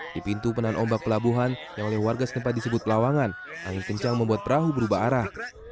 di pintu penahan ombak pelabuhan yang oleh warga setempat disebut pelawangan angin kencang membuat perahu berubah arah